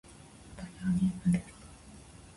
私は妊婦です